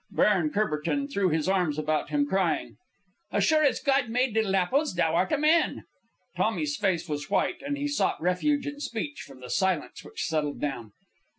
Baron Courbertin threw his arms about him, crying, "As sure as God made little apples, thou art a man!" Tommy's face was white, and he sought refuge in speech from the silence which settled down.